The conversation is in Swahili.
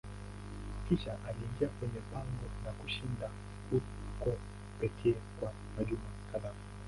Kisha aliingia kwenye pango na kushinda huko pekee kwa majuma kadhaa.